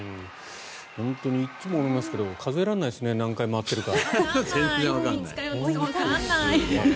本当にいつも思いますけど数えられないですね何回回っているか。